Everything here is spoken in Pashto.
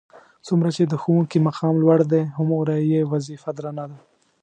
څومره چې د ښوونکي مقام لوړ دی هغومره یې وظیفه درنه ده.